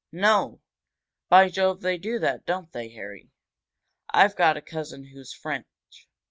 "No by Jove, they do that, don't they, Harry? I've got a, cousin who's French.